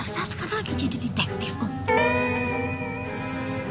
elsa sekarang lagi jadi detektif pak